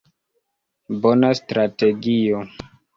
Bona strategio.